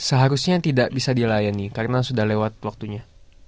seharusnya tidak bisa dilayani karena sudah lewat waktunya